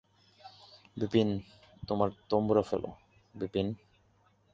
বিপিন, তোমার তম্বুরা ফেলো– বিপিন।